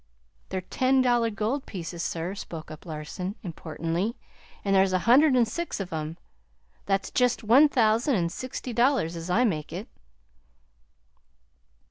"They're ten dollar gold pieces, sir," spoke up Larson importantly; "an' there's a hundred an' six of them. That's jest one thousand an' sixty dollars, as I make it."